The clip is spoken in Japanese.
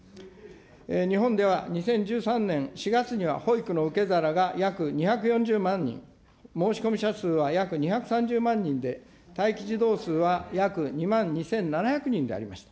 日本では２０１３年４月には保育の受け皿が約２４０万人、申し込み者数は約２３０万人で、待機児童数は約２万２７００人でありました。